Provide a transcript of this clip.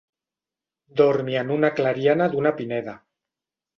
Dormi en una clariana d'una pineda.